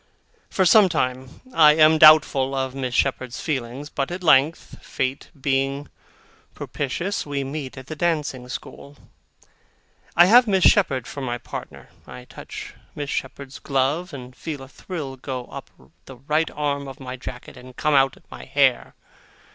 For some time, I am doubtful of Miss Shepherd's feelings, but, at length, Fate being propitious, we meet at the dancing school. I have Miss Shepherd for my partner. I touch Miss Shepherd's glove, and feel a thrill go up the right arm of my jacket, and come out at my hair.